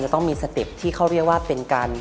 ต้องมีสเต็ปที่เขาเรียกว่าเป็นการ